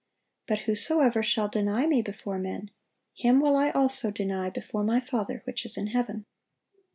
But whosoever shall deny Me before men, him will I also deny before My Father which is in heaven."